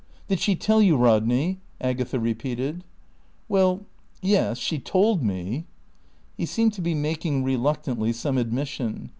"Did she tell you, Rodney?" Agatha repeated. "Well, yes. She told me." He seemed to be making, reluctantly, some admission.